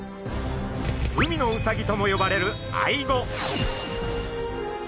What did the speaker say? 海のウサギとも呼ばれるアイゴ。